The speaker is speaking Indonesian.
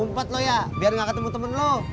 empat obrig ianya ketemu temen lo